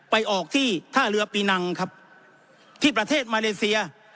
ไปออกที่ท่าเรือปีนังครับที่ประเทศมาเลเซีย